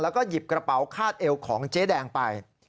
แล้วก็หยิบกระเป๋าคาดเอวของเจ๊แดงไป